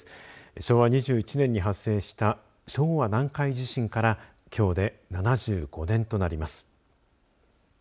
昭和２１年に発生した昭和南海地震からきょうで７５年となります。